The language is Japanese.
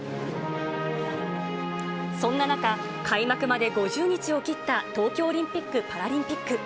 そんな中、開幕まで５０日を切った東京オリンピック・パラリンピック。